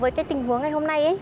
với cái tình huống ngày hôm nay ấy